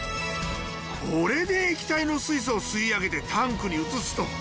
これで液体の水素を吸い上げてタンクに移すと。